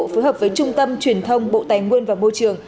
phối hợp với trung tâm truyền thông bộ tài nguyên và môi trường